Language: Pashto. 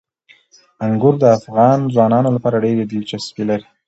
انګور د افغان ځوانانو لپاره ډېره دلچسپي لري.